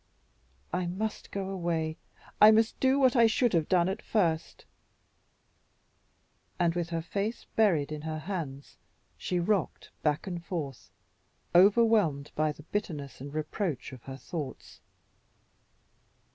I must go away I must do what I should have done at first," and with her face buried in her hands she rocked back and forth, overwhelmed by the bitterness and reproach of her thoughts.